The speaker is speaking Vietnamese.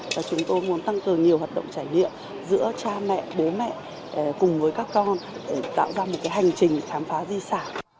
và chúng tôi muốn tăng cường nhiều hoạt động trải nghiệm giữa cha mẹ bố mẹ cùng với các con để tạo ra một cái hành trình khám phá di sản